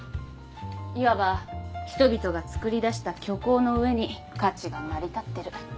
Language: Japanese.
いわば人々がつくりだした虚構の上に価値が成り立ってる。